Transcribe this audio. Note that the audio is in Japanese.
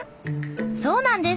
そうなんです。